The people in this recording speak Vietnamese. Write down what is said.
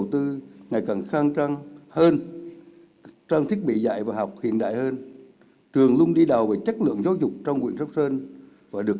thủ tướng nêu rõ